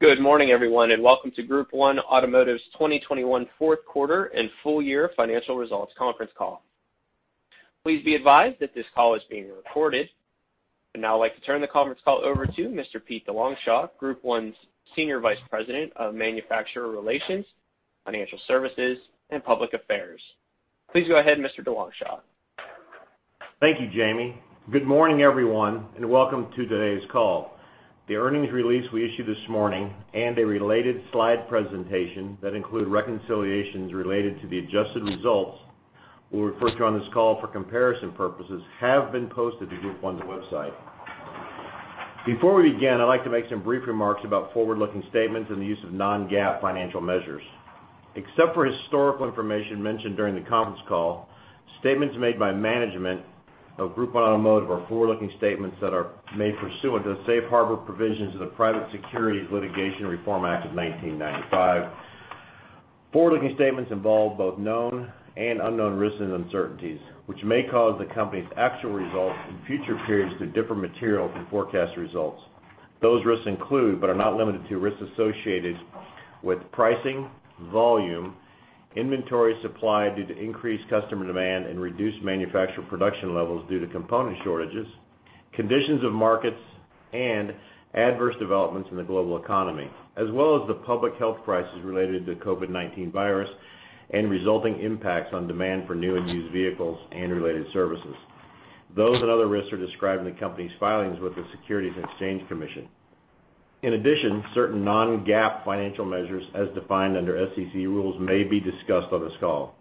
Good morning, everyone, and welcome to Group 1 Automotive's 2021 fourth quarter and full year financial results conference call. Please be advised that this call is being recorded. I'd now like to turn the conference call over to Mr. Pete DeLongchamps, Group 1's Senior Vice President of Manufacturer Relations, Financial Services, and Public Affairs. Please go ahead, Mr. DeLongchamps. Thank you, Jamie. Good morning, everyone, and welcome to today's call. The earnings release we issued this morning and a related slide presentation that include reconciliations related to the adjusted results we'll refer to on this call for comparison purposes have been posted to Group 1's website. Before we begin, I'd like to make some brief remarks about forward-looking statements and the use of non-GAAP financial measures. Except for historical information mentioned during the conference call, statements made by management of Group 1 Automotive are forward-looking statements that are made pursuant to the safe harbor provisions of the Private Securities Litigation Reform Act of 1995. Forward-looking statements involve both known and unknown risks and uncertainties, which may cause the company's actual results in future periods to differ materially from forecast results. Those risks include, but are not limited to, risks associated with pricing, volume, inventory supply due to increased customer demand and reduced manufacturer production levels due to component shortages, conditions of markets, and adverse developments in the global economy, as well as the public health crisis related to the COVID-19 virus and resulting impacts on demand for new and used vehicles and related services. Those and other risks are described in the company's filings with the Securities and Exchange Commission. In addition, certain non-GAAP financial measures, as defined under SEC rules, may be discussed on this call.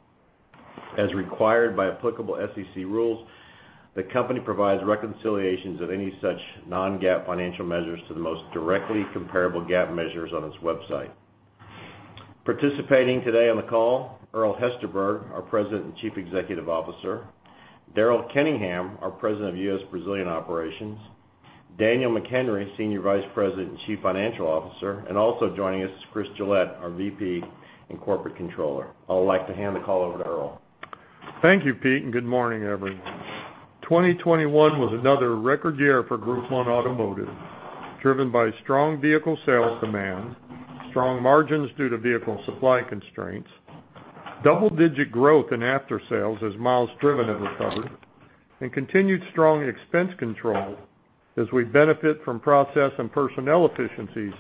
As required by applicable SEC rules, the company provides reconciliations of any such non-GAAP financial measures to the most directly comparable GAAP measures on its website. Participating today on the call, Earl Hesterberg, our President and Chief Executive Officer, Daryl Kenningham, our President, U.S. Operations, Daniel McHenry, Senior Vice President and Chief Financial Officer, and also joining us is Chris Gillette, our VP and Corporate Controller. I would like to hand the call over to Earl. Thank you, Pete, and good morning, everyone. 2021 was another record year for Group 1 Automotive, driven by strong vehicle sales demand, strong margins due to vehicle supply constraints, double-digit growth in after-sales as miles driven have recovered, and continued strong expense control as we benefit from process and personnel efficiencies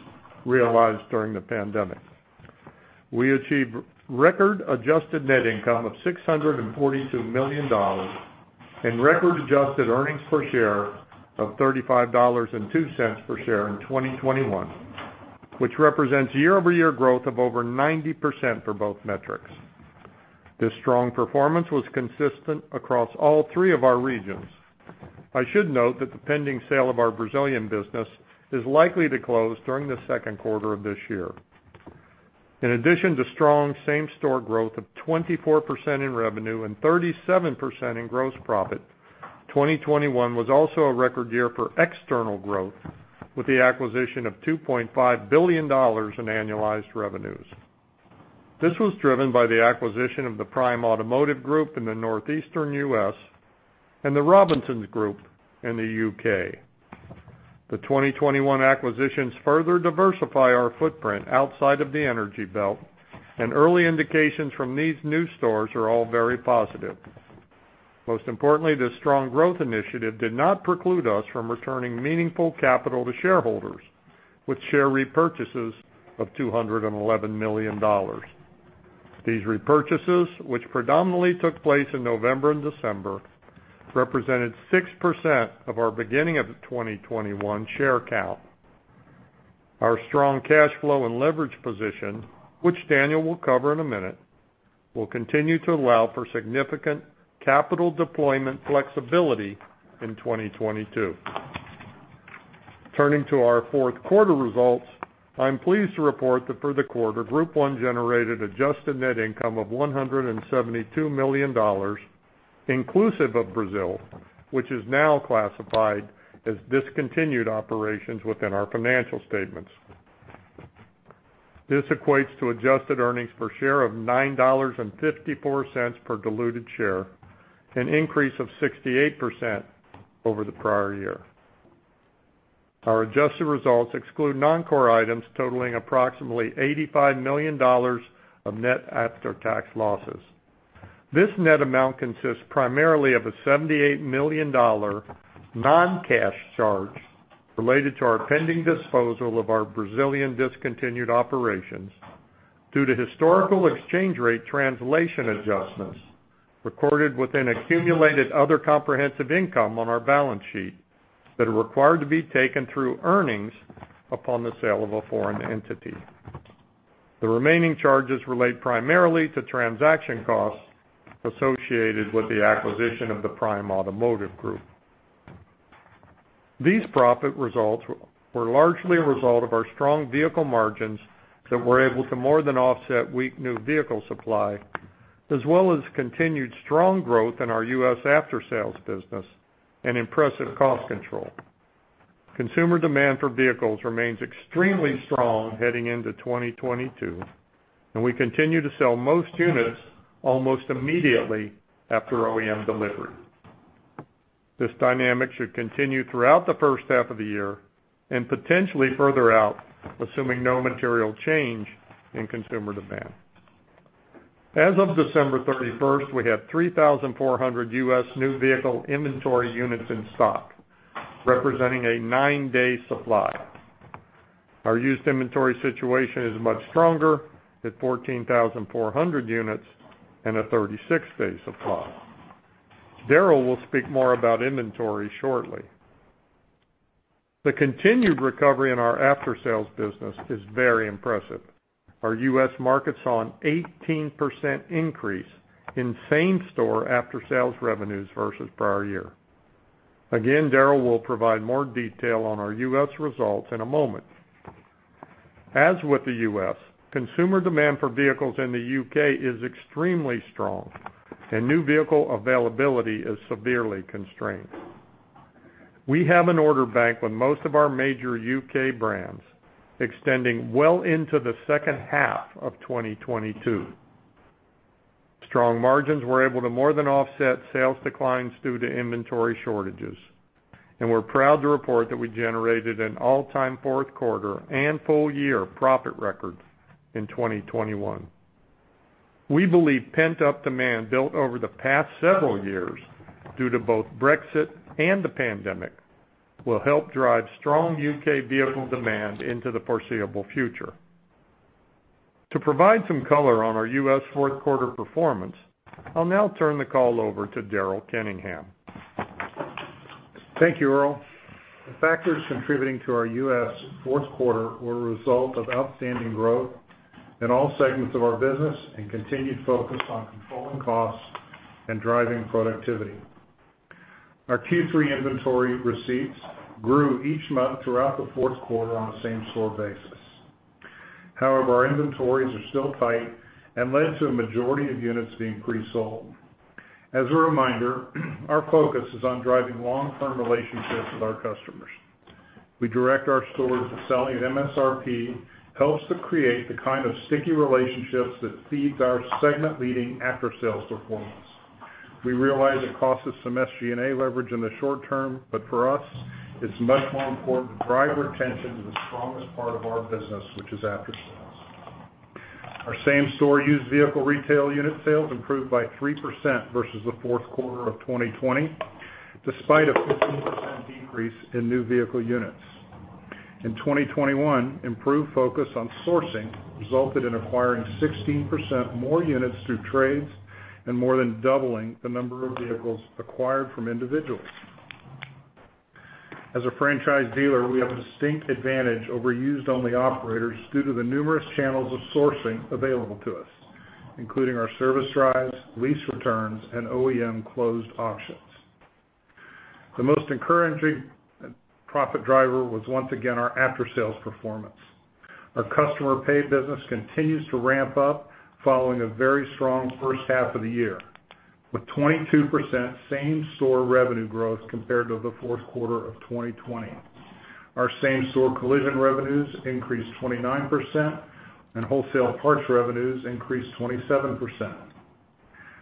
realized during the pandemic. We achieved record adjusted net income of $642 million and record adjusted earnings per share of $35.02 per share in 2021, which represents year-over-year growth of over 90% for both metrics. This strong performance was consistent across all three of our regions. I should note that the pending sale of our Brazilian business is likely to close during the second quarter of this year. In addition to strong same-store growth of 24% in revenue and 37% in gross profit, 2021 was also a record year for external growth with the acquisition of $2.5 billion in annualized revenues. This was driven by the acquisition of the Prime Automotive Group in the northeastern U.S. and the Robinsons Motor Group in the U.K. The 2021 acquisitions further diversify our footprint outside of the Sun Belt, and early indications from these new stores are all very positive. Most importantly, this strong growth initiative did not preclude us from returning meaningful capital to shareholders with share repurchases of $211 million. These repurchases, which predominantly took place in November and December, represented 6% of our beginning of the 2021 share count. Our strong cash flow and leverage position, which Daniel will cover in a minute, will continue to allow for significant capital deployment flexibility in 2022. Turning to our fourth quarter results, I'm pleased to report that for the quarter, Group 1 generated adjusted net income of $172 million, inclusive of Brazil, which is now classified as discontinued operations within our financial statements. This equates to adjusted earnings per share of $9.54 per diluted share, an increase of 68% over the prior year. Our adjusted results exclude non-core items totaling approximately $85 million of net after-tax losses. This net amount consists primarily of a $78 million non-cash charge related to our pending disposal of our Brazilian discontinued operations due to historical exchange rate translation adjustments recorded within accumulated other comprehensive income on our balance sheet that are required to be taken through earnings upon the sale of a foreign entity. The remaining charges relate primarily to transaction costs associated with the acquisition of the Prime Automotive Group. These profit results were largely a result of our strong vehicle margins that were able to more than offset weak new vehicle supply, as well as continued strong growth in our U.S. after sales business and impressive cost control. Consumer demand for vehicles remains extremely strong heading into 2022, and we continue to sell most units almost immediately after OEM delivery. This dynamic should continue throughout the first half of the year and potentially further out, assuming no material change in consumer demand. As of December 31, we had 3,400 U.S. new vehicle inventory units in stock, representing a nine-day supply. Our used inventory situation is much stronger at 14,400 units and a 30-day supply. Daryl will speak more about inventory shortly. The continued recovery in our after-sales business is very impressive. Our U.S. market saw an 18% increase in same-store after-sales revenues versus prior year. Again, Daryl will provide more detail on our U.S. results in a moment. As with the U.S., consumer demand for vehicles in the U.K. is extremely strong, and new vehicle availability is severely constrained. We have an order bank with most of our major U.K. brands extending well into the second half of 2022. Strong margins were able to more than offset sales declines due to inventory shortages, and we're proud to report that we generated an all-time fourth quarter and full-year profit record in 2021. We believe pent-up demand built over the past several years due to both Brexit and the pandemic will help drive strong U.K. vehicle demand into the foreseeable future. To provide some color on our U.S. fourth-quarter performance, I'll now turn the call over to Daryl Kenningham. Thank you, Earl. The factors contributing to our U.S. fourth quarter were a result of outstanding growth in all segments of our business and continued focus on controlling costs and driving productivity. Our Q3 inventory receipts grew each month throughout the fourth quarter on a same-store basis. However, our inventories are still tight and led to a majority of units being pre-sold. As a reminder, our focus is on driving long-term relationships with our customers. We direct our stores that selling at MSRP helps to create the kind of sticky relationships that feeds our segment-leading after-sales performance. We realize it costs us some SG&A leverage in the short term, but for us, it's much more important to drive retention to the strongest part of our business, which is after-sales. Our same-store used vehicle retail unit sales improved by 3% versus the fourth quarter of 2020, despite a 15% decrease in new vehicle units. In 2021, improved focus on sourcing resulted in acquiring 16% more units through trades and more than doubling the number of vehicles acquired from individuals. As a franchise dealer, we have a distinct advantage over used-only operators due to the numerous channels of sourcing available to us, including our service drives, lease returns, and OEM closed auctions. The most encouraging profit driver was once again our after-sales performance. Our customer pay business continues to ramp up following a very strong first half of the year, with 22% same-store revenue growth compared to the fourth quarter of 2020. Our same-store collision revenues increased 29% and wholesale parts revenues increased 27%.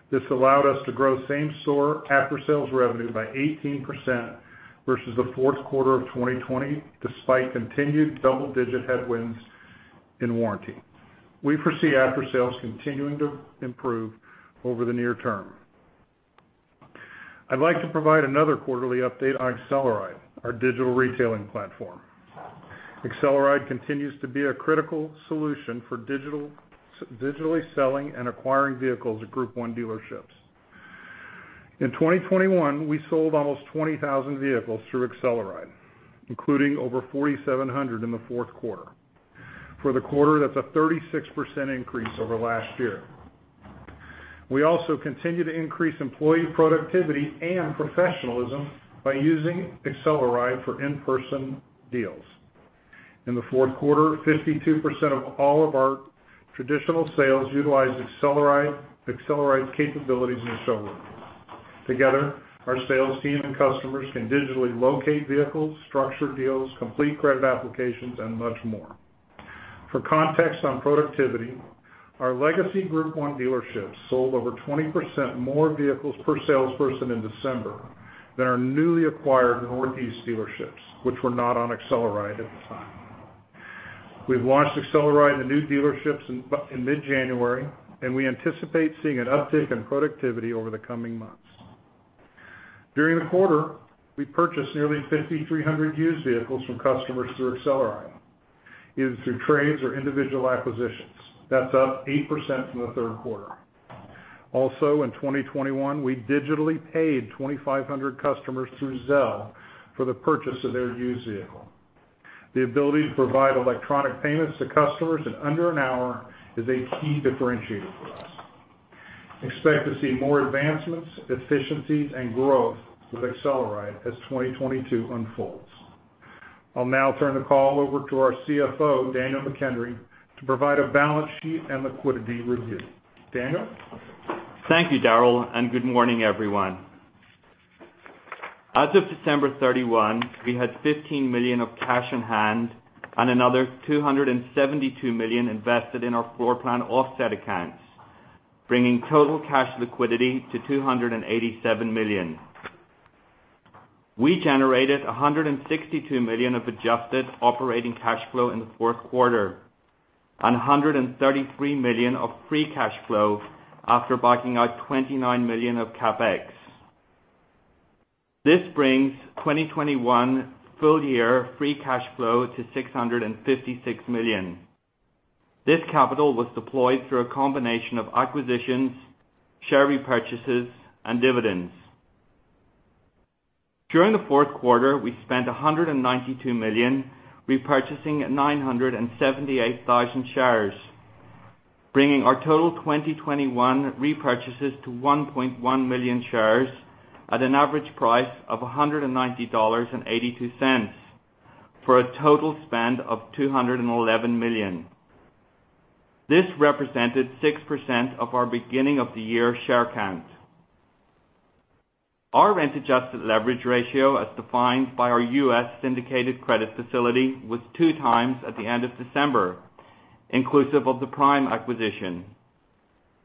This allowed us to grow same-store after-sales revenue by 18% versus the fourth quarter of 2020, despite continued double-digit headwinds in warranty. We foresee after-sales continuing to improve over the near term. I'd like to provide another quarterly update on AcceleRide, our digital retailing platform. AcceleRide continues to be a critical solution for digitally selling and acquiring vehicles at Group 1 dealerships. In 2021, we sold almost 20,000 vehicles through AcceleRide, including over 4,700 in the fourth quarter. For the quarter, that's a 36% increase over last year. We also continue to increase employee productivity and professionalism by using AcceleRide for in-person deals. In the fourth quarter, 52% of all of our traditional sales utilized AcceleRide's capabilities in the showroom. Together, our sales team and customers can digitally locate vehicles, structure deals, complete credit applications, and much more. For context on productivity, our legacy Group 1 dealerships sold over 20% more vehicles per salesperson in December than our newly acquired Northeast dealerships, which were not on AcceleRide at the time. We've launched AcceleRide in the new dealerships in mid-January, and we anticipate seeing an uptick in productivity over the coming months. During the quarter, we purchased nearly 5,300 used vehicles from customers through AcceleRide, either through trades or individual acquisitions. That's up 8% from the third quarter. Also, in 2021, we digitally paid 2,500 customers through Zelle for the purchase of their used vehicle. The ability to provide electronic payments to customers in under an hour is a key differentiator for us. Expect to see more advancements, efficiencies, and growth with AcceleRide as 2022 unfolds. I'll now turn the call over to our CFO, Daniel McHenry, to provide a balance sheet and liquidity review. Daniel? Thank you, Daryl, and good morning, everyone. As of December 31, we had $15 million of cash on hand and another $272 million invested in our floor plan offset accounts. Bringing total cash liquidity to $287 million. We generated $162 million of adjusted operating cash flow in the fourth quarter, and $133 million of free cash flow after backing out $29 million of CapEx. This brings 2021 full year free cash flow to $656 million. This capital was deployed through a combination of acquisitions, share repurchases, and dividends. During the fourth quarter, we spent $192 million repurchasing 978,000 shares, bringing our total 2021 repurchases to 1.1 million shares at an average price of $190.82 for a total spend of $211 million. This represented 6% of our beginning of the year share count. Our rent adjusted leverage ratio, as defined by our U.S. syndicated credit facility, was 2x at the end of December, inclusive of the Prime acquisition.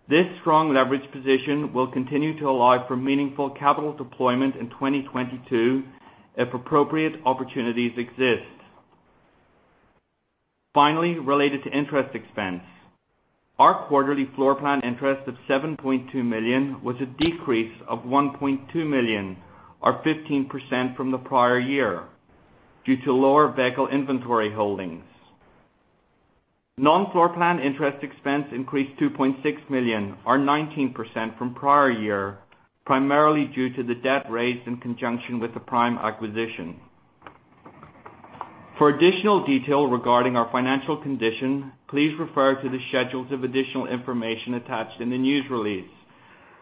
This strong leverage position will continue to allow for meaningful capital deployment in 2022 if appropriate opportunities exist. Finally, related to interest expense, our quarterly floor plan interest of $7.2 million was a decrease of $1.2 million or 15% from the prior year due to lower vehicle inventory holdings. Non-floor plan interest expense increased $2.6 million or 19% from prior year, primarily due to the debt raised in conjunction with the Prime acquisition. For additional detail regarding our financial condition, please refer to the schedules of additional information attached in the news release,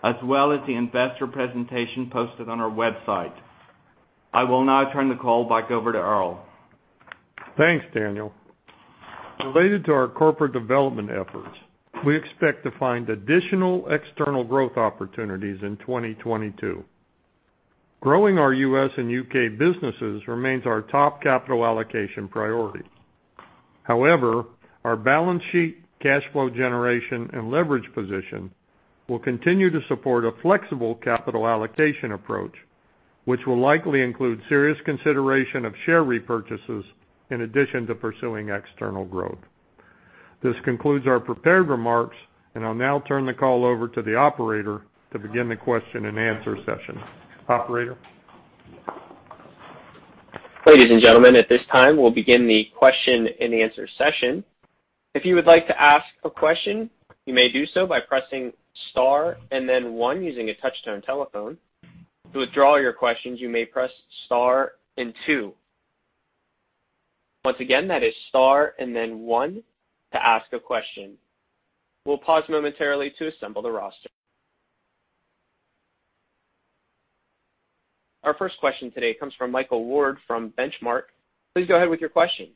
as well as the investor presentation posted on our website. I will now turn the call back over to Earl. Thanks, Daniel. Related to our corporate development efforts, we expect to find additional external growth opportunities in 2022. Growing our U.S. and U.K. businesses remains our top capital allocation priority. However, our balance sheet, cash flow generation, and leverage position will continue to support a flexible capital allocation approach, which will likely include serious consideration of share repurchases in addition to pursuing external growth. This concludes our prepared remarks, and I'll now turn the call over to the operator to begin the question and answer session. Operator? Ladies and gentlemen, at this time, we'll begin the question and answer session. If you would like to ask a question, you may do so by pressing star and then one using a touch-tone telephone. To withdraw your questions, you may press star and two. Once again, that is star and then one to ask a question. We'll pause momentarily to assemble the roster. Our first question today comes from Michael Ward from Benchmark. Please go ahead with your question.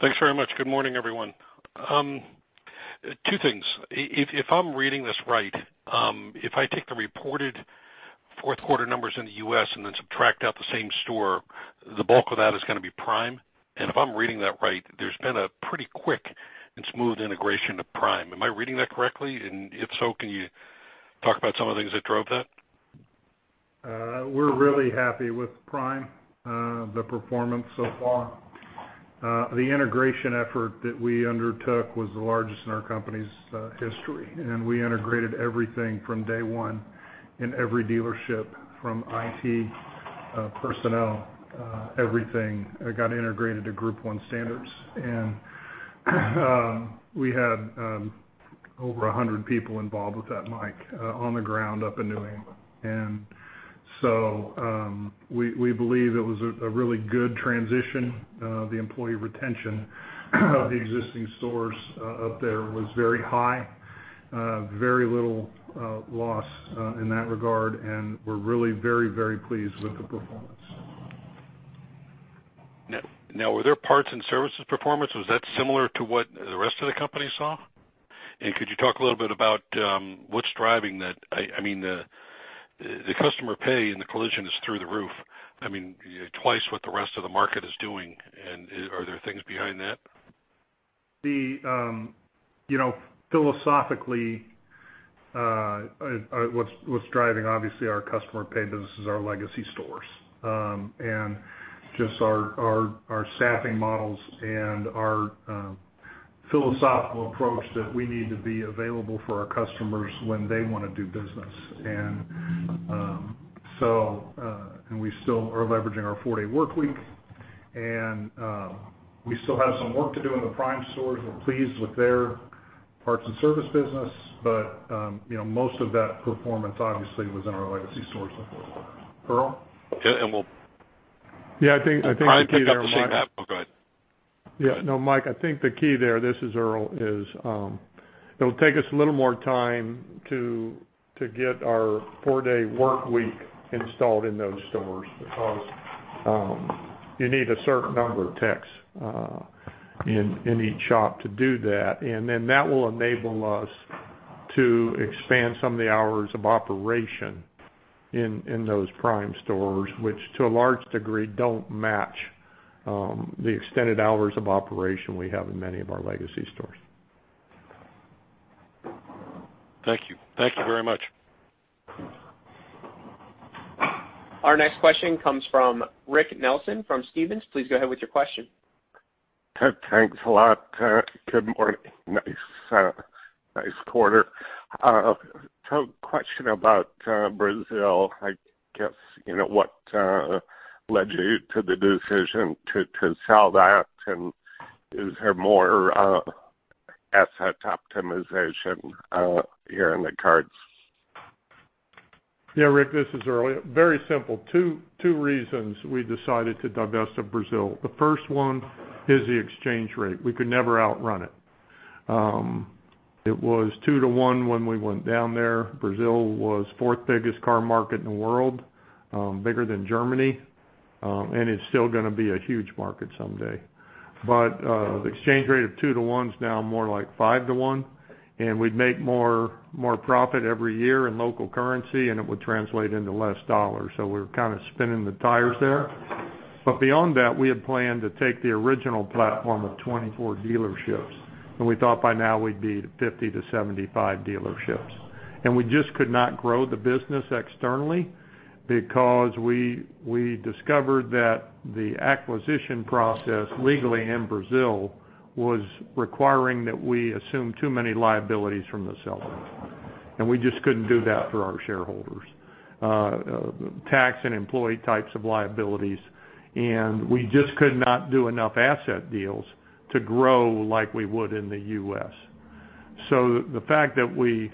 Thanks very much. Good morning, everyone. Two things. If I'm reading this right, if I take the reported fourth quarter numbers in the U.S. and then subtract out the same store, the bulk of that is gonna be Prime. If I'm reading that right, there's been a pretty quick and smooth integration to Prime. Am I reading that correctly? If so, can you talk about some of the things that drove that? We're really happy with Prime, the performance so far. The integration effort that we undertook was the largest in our company's history. We integrated everything from day one in every dealership from IT, personnel, everything got integrated to Group 1 standards. We had over 100 people involved with that, Mike, on the ground up in New England. We believe it was a really good transition. The employee retention of the existing stores up there was very high, very little loss in that regard, and we're really very, very pleased with the performance. Now, were there parts and services performance? Was that similar to what the rest of the company saw? Could you talk a little bit about what's driving that? I mean, the customer pay and the collision is through the roof. I mean, twice what the rest of the market is doing. Are there things behind that? You know, philosophically, what's driving obviously our customer pay business is our legacy stores. Just our staffing models and our philosophical approach that we need to be available for our customers when they wanna do business. We still are leveraging our four-day workweek, and we still have some work to do in the Prime stores. We're pleased with their parts and service business, but you know, most of that performance obviously was in our legacy stores in the fourth quarter. Earl? Yeah, we'll. Yeah, I think the key there, Mike. Prime picked up the same. No, go ahead. Yeah. No, Mike, I think the key there, this is Earl, is, it'll take us a little more time to get our four-day workweek installed in those stores because you need a certain number of techs in each shop to do that. And then that will enable us to expand some of the hours of operation. In those Prime stores, which to a large degree don't match the extended hours of operation we have in many of our legacy stores. Thank you. Thank you very much. Our next question comes from Rick Nelson from Stephens. Please go ahead with your question. Thanks a lot. Good morning. Nice quarter. Question about Brazil. I guess, you know, what led you to the decision to sell that, and is there more asset here in the cards? Yeah, Rick, this is Earl. Very simple. Two reasons we decided to divest of Brazil. The first one is the exchange rate. We could never outrun it. It was two to one when we went down there. Brazil was fourth biggest car market in the world, bigger than Germany, and it's still gonna be a huge market someday. The exchange rate of two to one is now more like five to one, and we'd make more profit every year in local currency, and it would translate into less dollars. We're kinda spinning the tires there. Beyond that, we had planned to take the original platform of 24 dealerships, and we thought by now we'd be at 50-75 dealerships. We just could not grow the business externally because we discovered that the acquisition process legally in Brazil was requiring that we assume too many liabilities from the sellers, and we just couldn't do that for our shareholders. Tax and employee types of liabilities. We just could not do enough asset deals to grow like we would in the U.S. The fact that we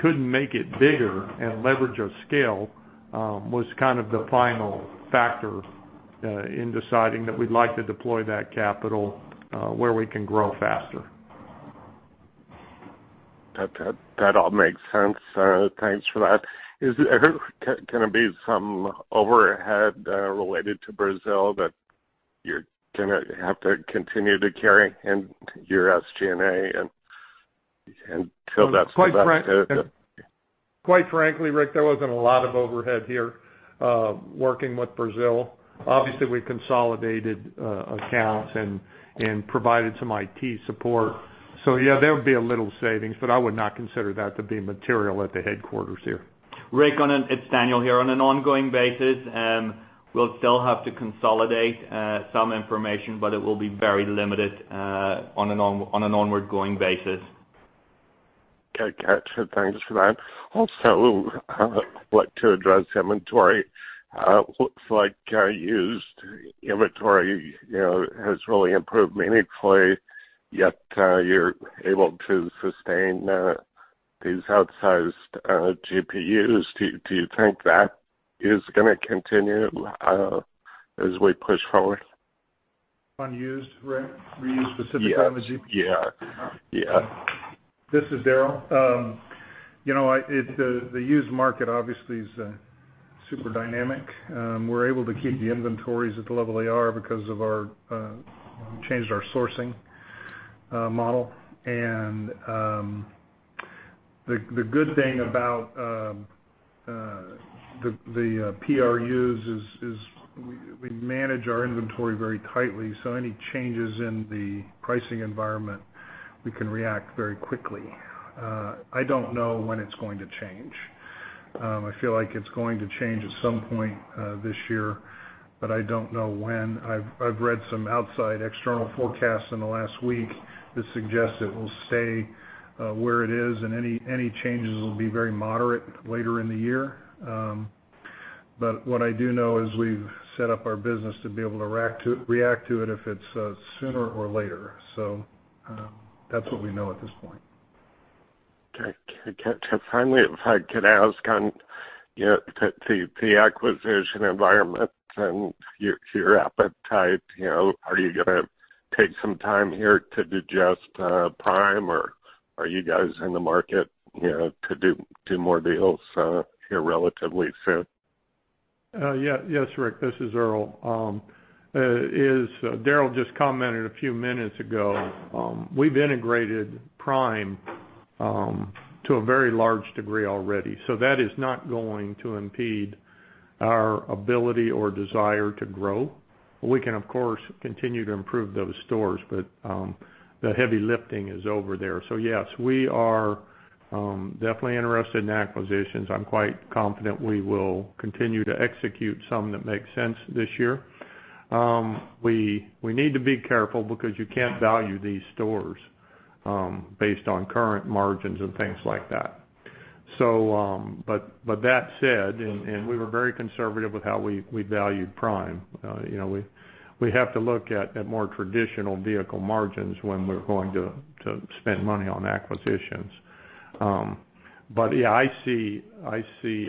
couldn't make it bigger and leverage our scale was kind of the final factor in deciding that we'd like to deploy that capital where we can grow faster. That all makes sense. Thanks for that. Is there gonna be some overhead related to Brazil that you're gonna have to continue to carry in your SG&A until that's invested? Quite frankly, Rick, there wasn't a lot of overhead here, working with Brazil. Obviously, we consolidated accounts and provided some IT support. So yeah, there would be a little savings, but I would not consider that to be material at the headquarters here. Rick, It's Daniel here. On an ongoing basis, we'll still have to consolidate some information, but it will be very limited on an ongoing basis. Okay, gotcha. Thanks for that. Also, I'd like to address inventory. Looks like our used inventory, you know, has really improved meaningfully, yet you're able to sustain these outsized GPUs. Do you think that is gonna continue as we push forward? On used, Rick? Are you specifically on the GPU? Yes. Yeah. Yeah. This is Daryl. You know, the used market obviously is super dynamic. We're able to keep the inventories at the level they are because we've changed our sourcing model. The good thing about the GPUs is we manage our inventory very tightly, so any changes in the pricing environment, we can react very quickly. I don't know when it's going to change. I feel like it's going to change at some point this year, but I don't know when. I've read some outside external forecasts in the last week that suggest it will stay where it is and any changes will be very moderate later in the year. What I do know is we've set up our business to be able to react to it if it's sooner or later. That's what we know at this point. Okay. Finally, if I could ask on, you know, the acquisition environment and your appetite. You know, are you gonna take some time here to digest Prime, or are you guys in the market, you know, to do more deals here relatively soon? Yes, Rick. This is Earl. As Daryl just commented a few minutes ago, we've integrated Prime to a very large degree already. That is not going to impede our ability or desire to grow. We can, of course, continue to improve those stores. The heavy lifting is over there. Yes, we are definitely interested in acquisitions. I'm quite confident we will continue to execute some that make sense this year. We need to be careful because you can't value these stores based on current margins and things like that. But that said, we were very conservative with how we valued Prime. You know, we have to look at more traditional vehicle margins when we're going to spend money on acquisitions. Yeah, I see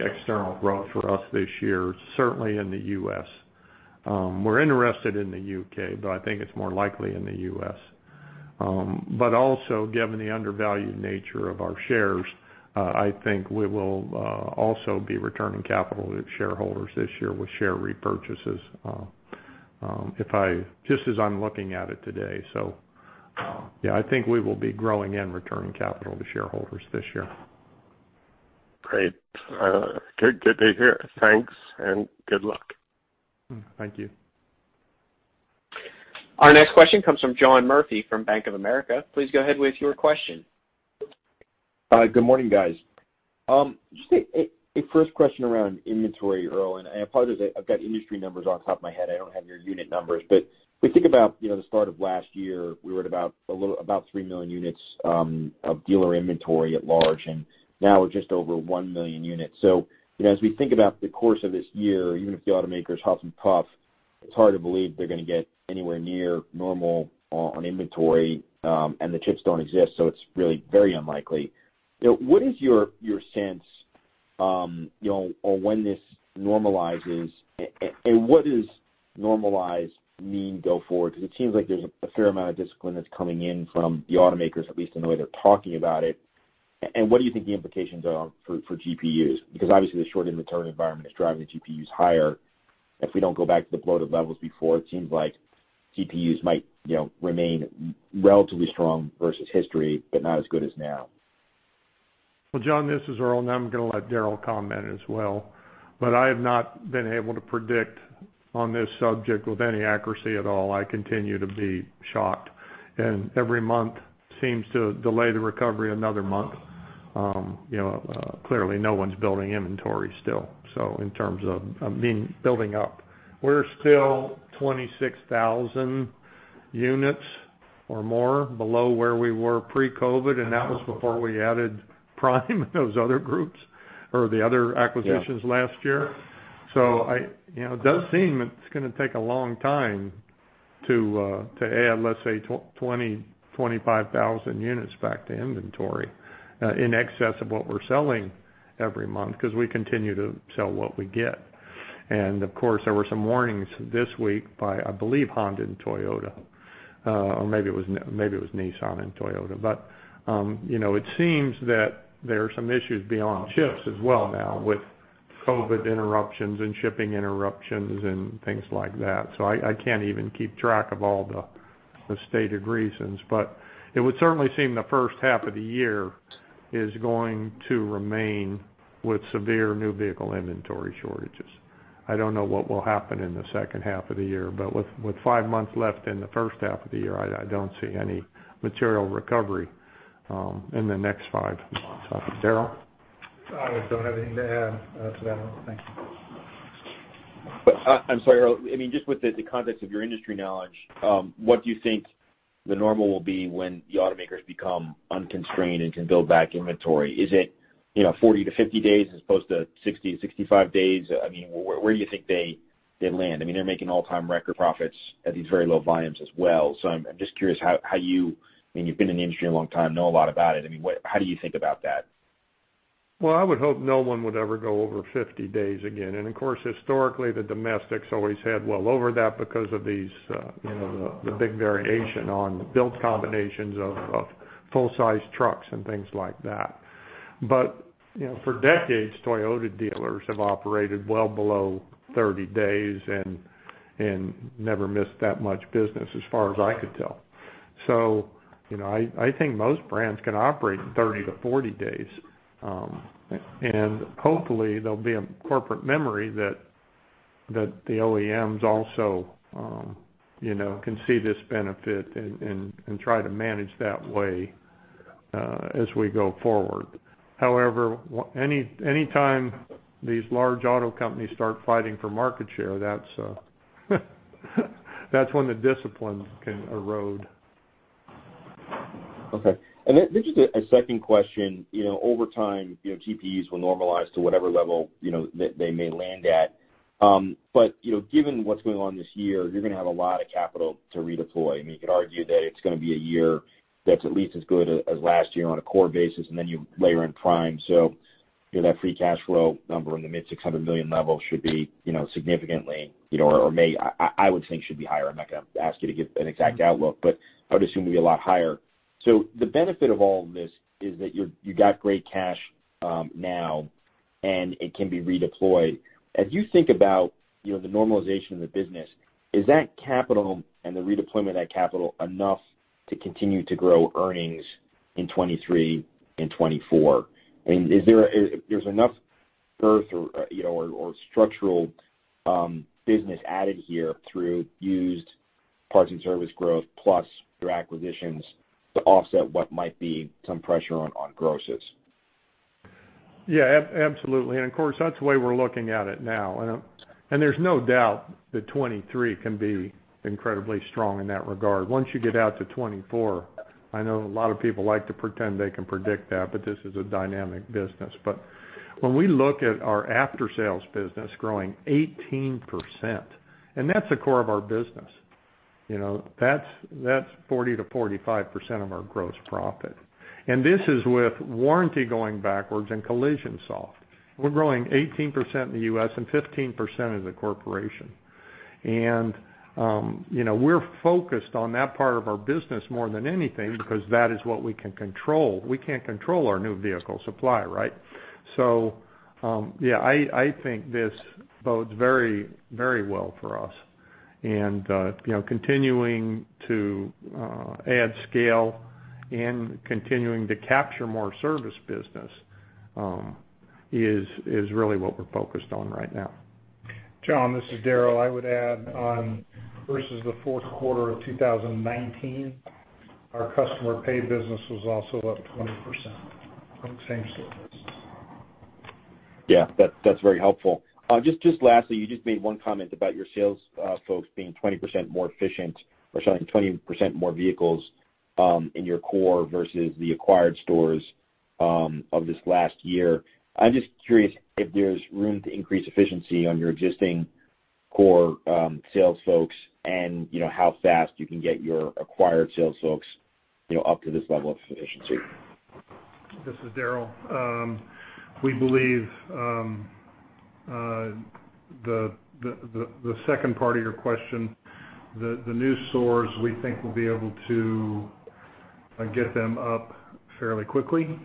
external growth for us this year, certainly in the U.S. We're interested in the U.K., but I think it's more likely in the U.S. Also given the undervalued nature of our shares, I think we will also be returning capital to shareholders this year with share repurchases, just as I'm looking at it today. Yeah, I think we will be growing and returning capital to shareholders this year. Great. Good to hear. Thanks, and good luck. Thank you. Our next question comes from John Murphy from Bank of America. Please go ahead with your question. Good morning, guys. Just a first question around inventory, Earl, and apologies, I've got industry numbers off the top of my head. I don't have your unit numbers. If we think about the start of last year, we were at about 3 million units of dealer inventory at large, and now we're just over 1 million units. You know, as we think about the course of this year, even if the automakers huff and puff, it's hard to believe they're gonna get anywhere near normal on inventory, and the chips don't exist, so it's really very unlikely. You know, what is your sense on when this normalizes and what does normalize mean going forward? 'Cause it seems like there's a fair amount of discipline that's coming in from the automakers, at least in the way they're talking about it. And what do you think the implications are for GPUs? Because obviously the short inventory environment is driving the GPUs higher. If we don't go back to the bloated levels before, it seems like GPUs might, you know, remain relatively strong versus history, but not as good as now. Well, John, this is Earl, and I'm gonna let Daryl comment as well. I have not been able to predict on this subject with any accuracy at all. I continue to be shocked, and every month seems to delay the recovery another month. You know, clearly no one's building inventory still, so in terms of, I mean, building up. We're still 26,000 units or more below where we were pre-COVID, and that was before we added Prime and those other groups or the other acquisitions last year. You know, it does seem it's gonna take a long time to add, let's say, 25,000 units back to inventory, in excess of what we're selling every month, 'cause we continue to sell what we get. Of course, there were some warnings this week by, I believe, Honda and Toyota, or maybe it was Nissan and Toyota. You know, it seems that there are some issues beyond chips as well now with COVID interruptions and shipping interruptions and things like that. I can't even keep track of all the stated reasons. It would certainly seem the first half of the year is going to remain with severe new vehicle inventory shortages. I don't know what will happen in the second half of the year, but with five months left in the first half of the year, I don't see any material recovery in the next five months. Daryl? I don't have anything to add to that, Earl. Thank you. I'm sorry, Earl. I mean, just with the context of your industry knowledge, what do you think the normal will be when the automakers become unconstrained and can build back inventory? Is it, you know, 40-50 days as opposed to 60-65 days? I mean, where do you think they land? I mean, they're making all-time record profits at these very low volumes as well. I'm just curious how you, I mean, you've been in the industry a long time, know a lot about it. I mean, what, how do you think about that? Well, I would hope no one would ever go over 50 days again. Of course, historically, the domestics always had well over that because of these, you know, the big variation on the build combinations of full-sized trucks and things like that. You know, for decades, Toyota dealers have operated well below 30 days and never missed that much business as far as I could tell. You know, I think most brands can operate in 30-40 days. Hopefully, there'll be a corporate memory that the OEMs also, you know, can see this benefit and try to manage that way as we go forward. However, any time these large auto companies start fighting for market share, that's when the discipline can erode. Okay. Then just a second question. You know, over time, you know, GPUs will normalize to whatever level, you know, they may land at. You know, given what's going on this year, you're gonna have a lot of capital to redeploy. I mean, you could argue that it's gonna be a year that's at least as good as last year on a core basis, and then you layer in Prime. You know, that free cash flow number in the mid-$600 million level should be significantly, or may, I would think, should be higher. I'm not gonna ask you to give an exact outlook, but I would assume it would be a lot higher. The benefit of all of this is that you got great cash now, and it can be redeployed. As you think about, you know, the normalization of the business, is that capital and the redeployment of that capital enough to continue to grow earnings in 2023 and 2024? I mean, there's enough growth or, you know, or structural business added here through used parts and service growth, plus your acquisitions to offset what might be some pressure on grosses? Yeah, absolutely. Of course, that's the way we're looking at it now. There's no doubt that 2023 can be incredibly strong in that regard. Once you get out to 2024, I know a lot of people like to pretend they can predict that, but this is a dynamic business. When we look at our after-sales business growing 18%, and that's the core of our business, you know? That's 40%-45% of our gross profit. This is with warranty going backwards and collision soft. We're growing 18% in the U.S. and 15% as a corporation. You know, we're focused on that part of our business more than anything because that is what we can control. We can't control our new vehicle supply, right? Yeah, I think this bodes very, very well for us. You know, continuing to add scale and continuing to capture more service business is really what we're focused on right now. John, this is Daryl. I would add on, versus the fourth quarter of 2019, our customer pay business was also up 20% on the same stores. Yeah, that's very helpful. Just lastly, you just made one comment about your sales folks being 20% more efficient or selling 20% more vehicles in your core versus the acquired stores of this last year. I'm just curious if there's room to increase efficiency on your existing core sales folks and, you know, how fast you can get your acquired sales folks, you know, up to this level of efficiency. This is Daryl. We believe the second part of your question, the new stores, we think we'll be able to get them up fairly quickly.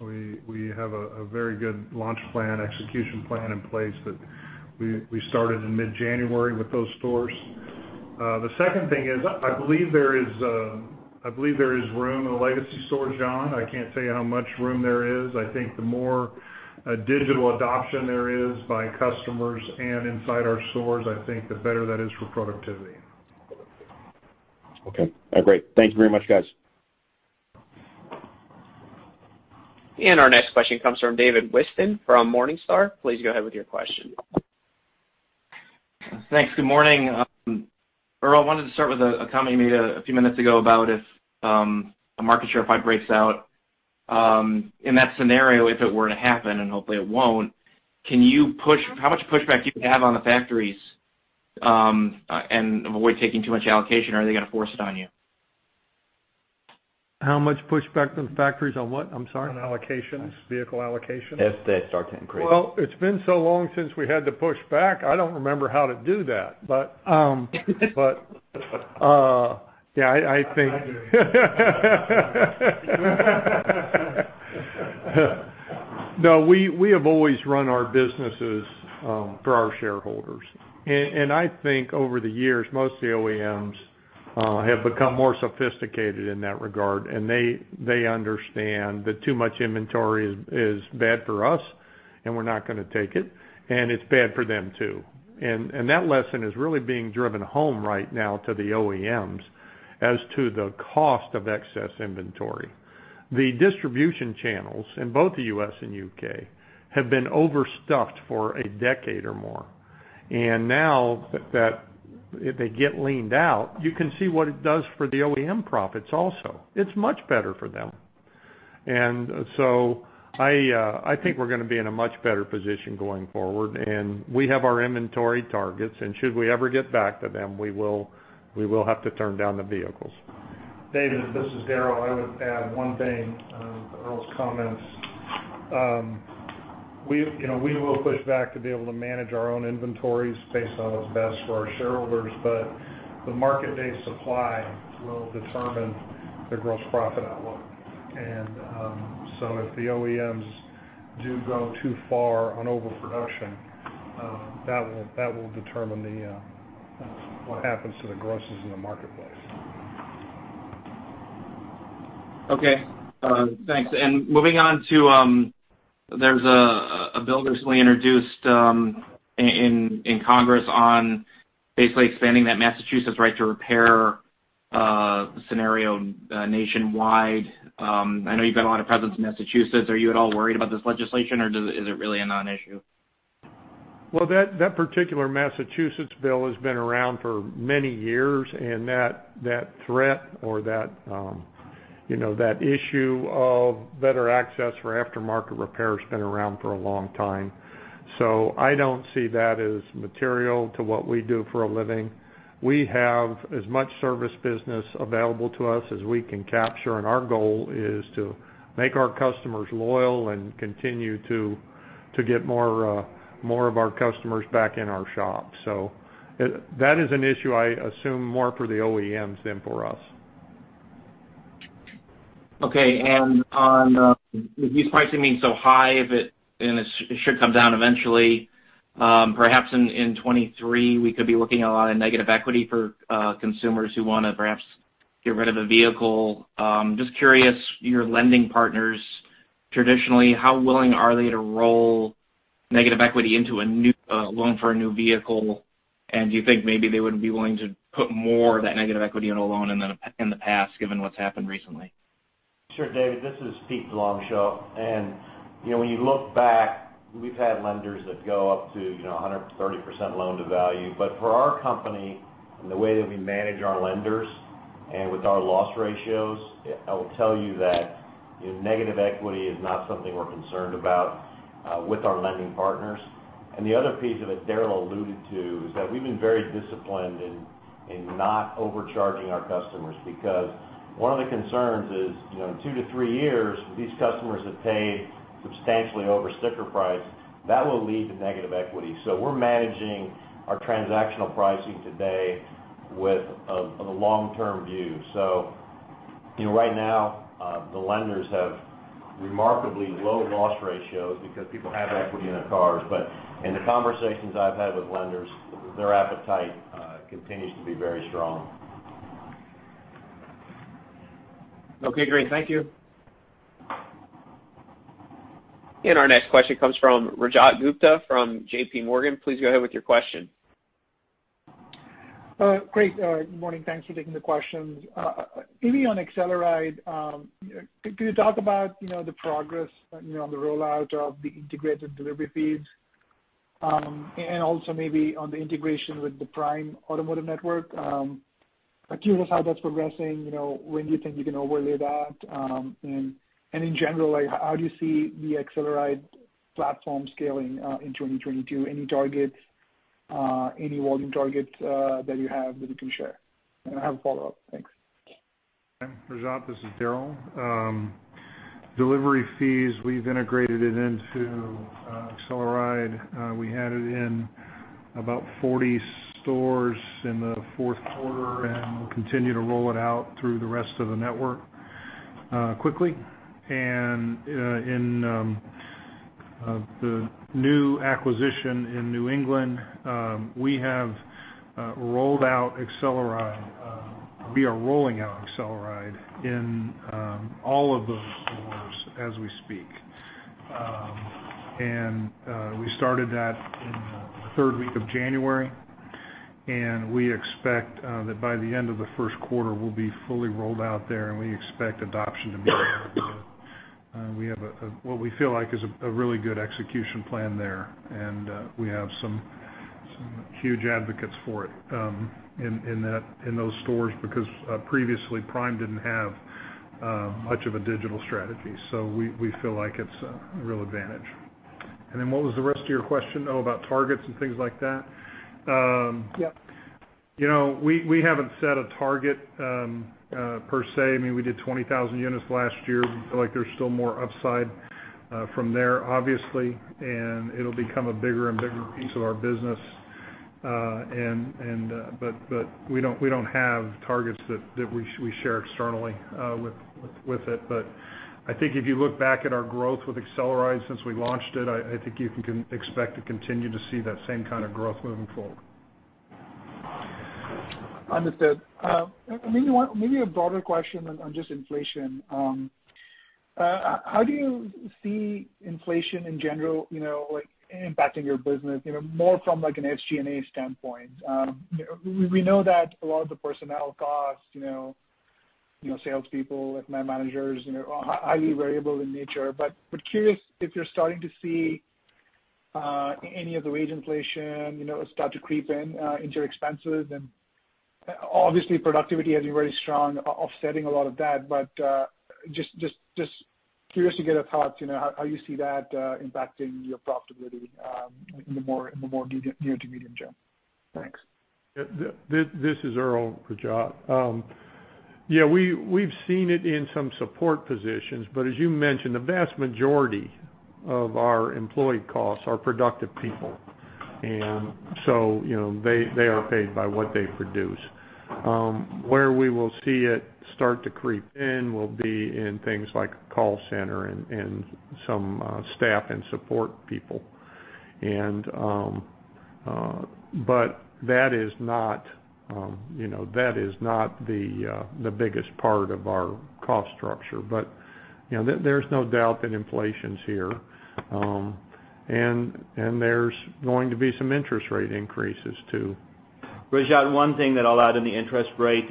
We have a very good launch plan, execution plan in place that we started in mid-January with those stores. The second thing is, I believe there is room in the legacy stores, John. I can't say how much room there is. I think the more digital adoption there is by customers and inside our stores, I think the better that is for productivity. Okay. Great. Thank you very much, guys. Our next question comes from David Whiston from Morningstar. Please go ahead with your question. Thanks. Good morning. Earl, I wanted to start with a comment you made a few minutes ago about if a market share fight breaks out in that scenario, if it were to happen, and hopefully it won't, how much pushback do you have on the factories and avoid taking too much allocation, or are they gonna force it on you? How much pushback from the factories on what? I'm sorry. On allocations, vehicle allocations. If they start to increase. Well, it's been so long since we had to push back, I don't remember how to do that. Yeah, we have always run our businesses for our shareholders. I think over the years, most of the OEMs have become more sophisticated in that regard, and they understand that too much inventory is bad for us, and we're not gonna take it, and it's bad for them, too. That lesson is really being driven home right now to the OEMs as to the cost of excess inventory. The distribution channels in both the U.S. and U.K. have been overstuffed for a decade or more. Now that if they get leaned out, you can see what it does for the OEM profits also. It's much better for them. I think we're gonna be in a much better position going forward. We have our inventory targets, and should we ever get back to them, we will have to turn down the vehicles. David, this is Daryl. I would add one thing to Earl's comments. You know, we will push back to be able to manage our own inventories based on what's best for our shareholders, but the market day supply will determine the gross profit outlook. If the OEMs do go too far on overproduction, that will determine what happens to the grosses in the marketplace. Okay. Thanks. Moving on to, there's a bill that was recently introduced in Congress on basically expanding that Massachusetts right to repair scenario nationwide. I know you've got a lot of presence in Massachusetts. Are you at all worried about this legislation, or is it really a non-issue? Well, that particular Massachusetts bill has been around for many years, and that threat or that issue of better access for aftermarket repair has been around for a long time. I don't see that as material to what we do for a living. We have as much service business available to us as we can capture, and our goal is to make our customers loyal and continue to get more of our customers back in our shop. That is an issue I assume more for the OEMs than for us. Okay. On with used pricing being so high, and it should come down eventually, perhaps in 2023, we could be looking at a lot of negative equity for consumers who wanna perhaps get rid of a vehicle. Just curious, your lending partners, traditionally, how willing are they to roll negative equity into a new loan for a new vehicle? Do you think maybe they would be willing to put more of that negative equity in a loan than in the past, given what's happened recently? Sure, David. This is Pete DeLongchamps. You know, when you look back, we've had lenders that go up to, you know, 130% loan to value. For our company and the way that we manage our lenders and with our loss ratios, I'll tell you that negative equity is not something we're concerned about with our lending partners. The other piece of it Daryl alluded to is that we've been very disciplined in not overcharging our customers because one of the concerns is, you know, in two to three years, these customers have paid substantially over sticker price. That will lead to negative equity. We're managing our transactional pricing today with a long-term view. You know, right now, the lenders have remarkably low loss ratios because people have equity in their cars. In the conversations I've had with lenders, their appetite continues to be very strong. Okay, great. Thank you. Our next question comes from Rajat Gupta from JPMorgan. Please go ahead with your question. Great. Good morning, thanks for taking the questions. Maybe on AcceleRide, could you talk about, you know, the progress, you know, on the rollout of the integrated delivery fees, and also maybe on the integration with the Prime Automotive Group? Curious how that's progressing, you know, when you think you can overlay that. In general, like how do you see the AcceleRide platform scaling in 2022? Any targets, any volume targets, that you have that you can share? I have a follow-up. Thanks. Rajat, this is Daryl. Delivery fees, we've integrated it into AcceleRide. We had it in about 40 stores in the fourth quarter, and we'll continue to roll it out through the rest of the network quickly. In the new acquisition in New England, we are rolling out AcceleRide in all of those stores as we speak. We started that in the third week of January, and we expect that by the end of the first quarter, we'll be fully rolled out there, and we expect adoption to be very good. What we feel like is a really good execution plan there, and we have some huge advocates for it in those stores because previously Prime didn't have much of a digital strategy. We feel like it's a real advantage. What was the rest of your question? Oh, about targets and things like that? Yep. You know, we haven't set a target, per se. I mean, we did 20,000 units last year. We feel like there's still more upside from there, obviously, and it'll become a bigger and bigger piece of our business. But we don't have targets that we share externally with it. I think if you look back at our growth with AcceleRide since we launched it, I think you can expect to continue to see that same kind of growth moving forward. Understood. Maybe a broader question on just inflation. How do you see inflation in general, you know, like impacting your business, you know, more from like an SG&A standpoint? You know, we know that a lot of the personnel costs, you know, sales people, like my managers, you know, are highly variable in nature. Curious if you're starting to see any of the wage inflation, you know, start to creep in into your expenses. Obviously productivity has been very strong offsetting a lot of that, just curious to get a thought, you know, how you see that impacting your profitability in the more near to medium term. Thanks. This is Earl, Rajat. Yeah, we've seen it in some support positions, but as you mentioned, the vast majority of our employee costs are productive people. You know, they are paid by what they produce. Where we will see it start to creep in will be in things like call center and some staff and support people. But that is not, you know, the biggest part of our cost structure. You know, there's no doubt that inflation's here, and there's going to be some interest rate increases too. Rajat, one thing that I'll add in the interest rate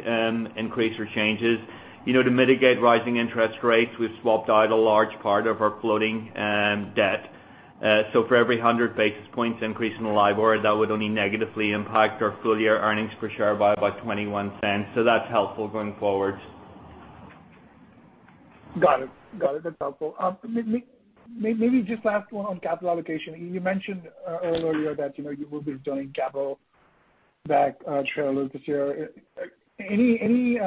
increases or changes, you know, to mitigate rising interest rates, we've swapped out a large part of our floating debt. For every 100 basis points increase in the LIBOR, that would only negatively impact our full-year earnings per share by about $0.21. That's helpful going forward. Got it. That's helpful. Maybe just last one on capital allocation. You mentioned earlier that, you know, you will be deploying capital back to retail this year. Any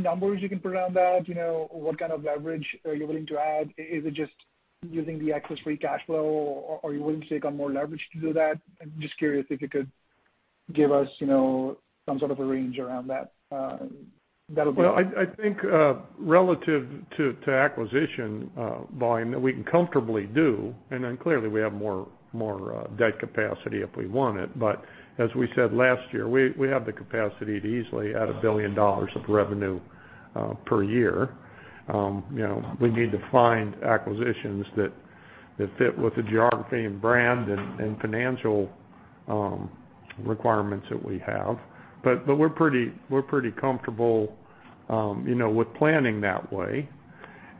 numbers you can put on that? You know, what kind of leverage are you willing to add? Is it just using the excess free cash flow or are you willing to take on more leverage to do that? I'm just curious if you could give us, you know, some sort of a range around that. Well, I think relative to acquisition volume that we can comfortably do, and then clearly we have more debt capacity if we want it. As we said last year, we have the capacity to easily add $1 billion of revenue per year. You know, we need to find acquisitions that fit with the geography and brand and financial requirements that we have. We're pretty comfortable, you know, with planning that way.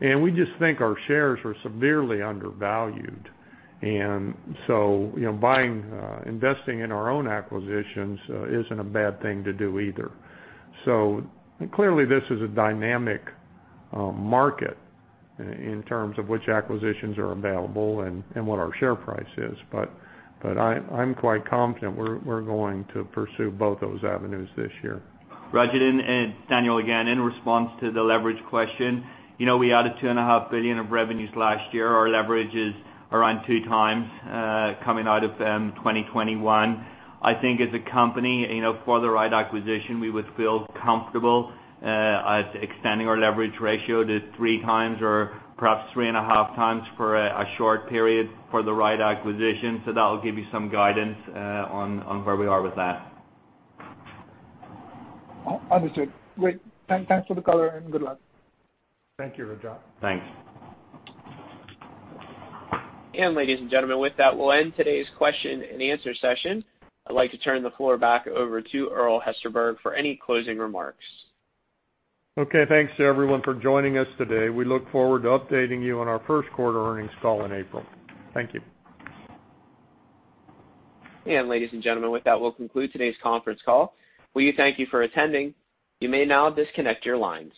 We just think our shares are severely undervalued. You know, buying, investing in our own acquisitions isn't a bad thing to do either. Clearly this is a dynamic market in terms of which acquisitions are available and what our share price is. I'm quite confident we're going to pursue both those avenues this year. Rajat, it's Daniel again. In response to the leverage question, you know, we added $2.5 billion of revenues last year. Our leverage is around 2x, coming out of 2021. I think as a company, you know, for the right acquisition, we would feel comfortable at extending our leverage ratio to 3x or perhaps 3.5x for a short period for the right acquisition. That'll give you some guidance on where we are with that. Understood. Great. Thanks for the color and good luck. Thank you, Rajat. Thanks. Ladies and gentlemen, with that, we'll end today's question and answer session. I'd like to turn the floor back over to Earl Hesterberg for any closing remarks. Okay, thanks to everyone for joining us today. We look forward to updating you on our first quarter earnings call in April. Thank you. Ladies and gentlemen, with that, we'll conclude today's conference call. We thank you for attending. You may now disconnect your lines.